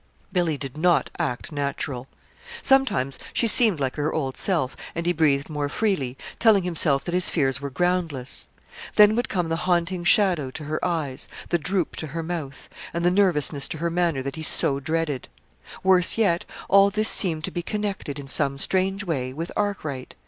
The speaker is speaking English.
Billy did not act natural. Sometimes she seemed like her old self; and he breathed more freely, telling himself that his fears were groundless. Then would come the haunting shadow to her eyes, the droop to her mouth, and the nervousness to her manner that he so dreaded. Worse yet, all this seemed to be connected in some strange way with Arkwright.